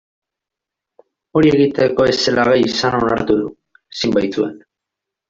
Hori egiteko ez zela gai izan onartu du, ezin baitzuen.